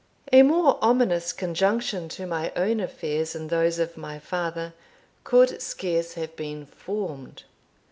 A more ominous conjunction to my own affairs, and those of my father, could scarce have been formed.